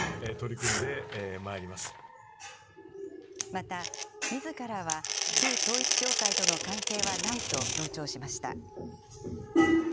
また、みずからは旧統一教会との関係はないと強調しました。